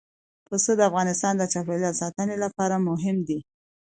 پسه د افغانستان د چاپیریال ساتنې لپاره مهم دي.